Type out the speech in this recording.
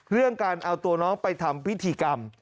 เรื่องการเอาตัวน้องไปทำพิธีกรรม